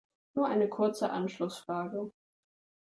Nur eine kurze Anschlussfrage.